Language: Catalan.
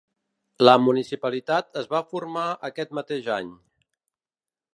La municipalitat es va formar aquest mateix any.